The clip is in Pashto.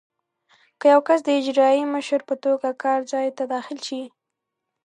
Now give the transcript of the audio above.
که یو کس د اجرایي مشر په توګه کار ځای ته داخل شي.